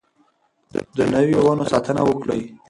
د نويو ونو ساتنه وکړئ.